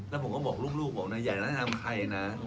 แล้วผมก็บอกลูกผมนะอย่างนั้นทำใครนะ